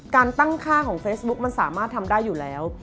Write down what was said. การตั้งค่าของเฟซบุ๊คมันสามารถทำได้อยู่แล้ว